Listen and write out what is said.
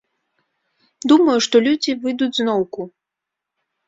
Думаю, што людзі выйдуць зноўку.